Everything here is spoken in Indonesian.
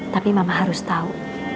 tapi mama harus tahu